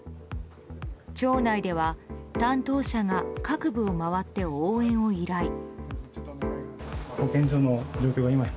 庁内では、担当者が各部を回って応援を依頼。